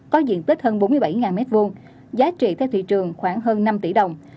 có diện tích hơn bốn mươi bảy m hai giá trị theo thị trường khoảng hơn năm tỷ đồng